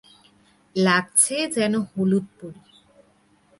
লাগছে যেন হলদে পরি